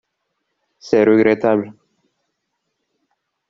C’est regrettable.